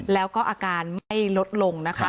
แล้วก็อาการไม่ลดลงนะคะ